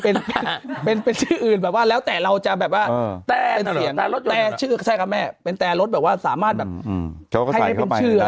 เป็นชื่ออื่นแบบว่าแล้วแต่เราจะแบบว่าแต่เป็นมีและแบบว่าให้เป็นชื่ออะไร